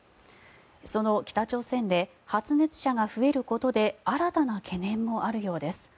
その北朝鮮で発熱者が増えることで新たな懸念もあるようです。